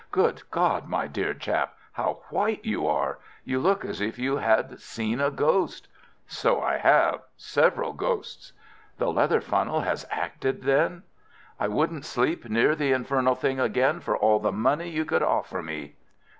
"Good God, my dear chap, how white you are! You look as if you had seen a ghost." "So I have—several ghosts." "The leather funnel has acted, then?" "I wouldn't sleep near the infernal thing again for all the money you could offer me."